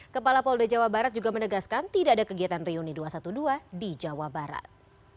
kepala polda jawa barat juga menegaskan tidak ada kegiatan reuni dua ratus dua belas di jawa barat